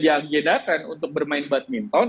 dianggedakan untuk bermain badminton